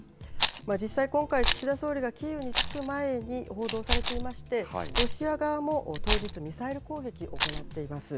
実際今回岸田総理がキーウに着く前に報道されていまして、ロシア側も当日、ミサイル攻撃行っています。